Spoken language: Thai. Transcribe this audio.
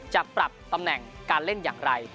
จะปรับตำแหน่งการเล่นอย่างไร